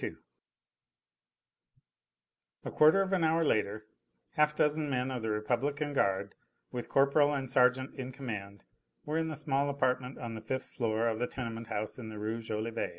II A quarter of an hour later half dozen men of the Republican Guard, with corporal and sergeant in command, were in the small apartment on the fifth floor of the tenement house in the Rue Jolivet.